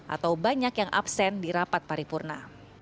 atau banyak yang absen di rapat paripurna